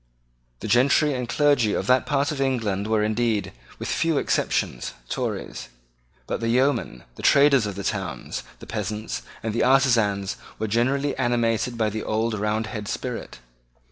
The gentry and clergy of that part of England were indeed, with few exceptions, Tories. But the yeomen, the traders of the towns, the peasants, and the artisans were generally animated by the old Roundhead spirit.